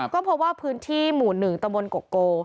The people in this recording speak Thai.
ก็พบว่าพื้นที่หมู่หนึ่งตะบนโกโก